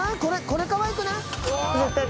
これかわいくない？